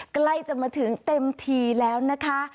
ใกล้จะมาถึงเต็มทีแล้วนะคะ